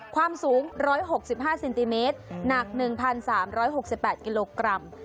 ความสูง๑๖๕เซนติเมตรหนัก๑๓๖๘กิโลกรัม